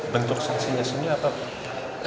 bentuk sanksinya sendiri apa pak